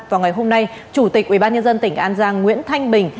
vào ngày hôm nay chủ tịch ubnd tỉnh an giang nguyễn thanh bình